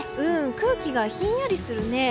空気がひんやりするね。